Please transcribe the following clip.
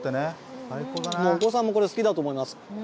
お子さんも好きだと思います。